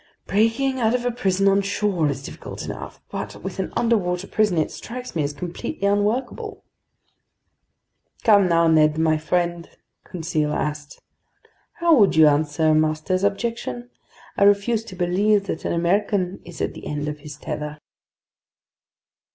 "Breaking out of a prison on shore is difficult enough, but with an underwater prison, it strikes me as completely unworkable." "Come now, Ned my friend," Conseil asked, "how would you answer master's objection? I refuse to believe that an American is at the end of his tether."